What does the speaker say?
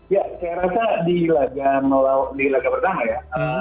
ya saya rasa di laga pertama ya